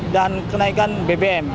dan kenaikan bbm